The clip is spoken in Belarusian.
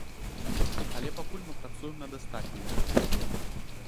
Але пакуль мы працуем над астатнім.